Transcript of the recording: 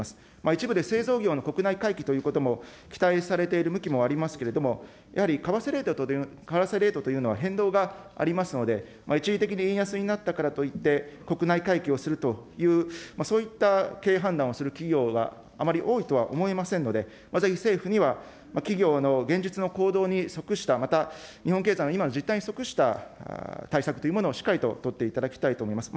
一部で製造業の国内回帰ということも期待されている向きもありますけれども、やはり為替レートというのは変動がありますので、一時的に円安になったからといって、国内回帰をするという、そういった経営判断をする企業があまり多いとは思えませんので、ぜひ政府には、企業の現実の行動に即した、また、日本経済の今の実態に即した対策というものをしっかりと取っていただきたいと思います。